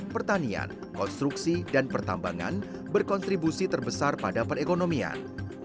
pertanian konstruksi dan pertambangan berkontribusi terbesar pada perekonomian